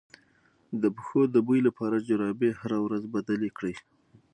د پښو د بوی لپاره جرابې هره ورځ بدلې کړئ